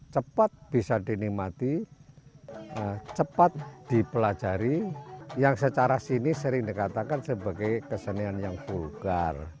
cepat bisa dinikmati cepat dipelajari yang secara sini sering dikatakan sebagai kesenian yang vulgar